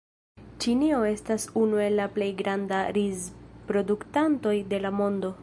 Ĉinio estas unu el la plej grandaj rizproduktantoj de la mondo.